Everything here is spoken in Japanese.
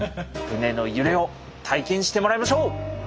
船の揺れを体験してもらいましょう！